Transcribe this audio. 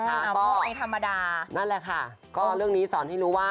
ก็ไม่ธรรมดานั่นแหละค่ะก็เรื่องนี้สอนให้รู้ว่า